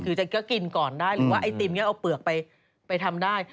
คือจะก็กินก่อนได้หรือว่าไอติมก็เอาเปลือกไปทำได้